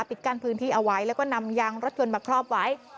กั้นพื้นที่เอาไว้แล้วก็นำยางรถยนต์มาครอบไว้